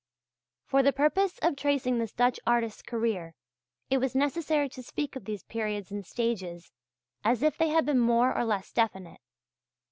For the purpose of tracing this Dutch artist's career it was necessary to speak of these periods and stages as if they had been more or less definite.